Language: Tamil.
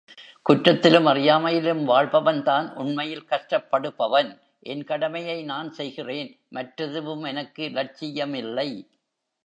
குற்றத்திலும் அறியாமையிலும் வாழ்பவன்தான் உண்மையில் கஷ்டப்படுபவன். என் கடமையை நான் செய்கிறேன், மற்றெதுவும் எனக்கு லட்சியமில்லை.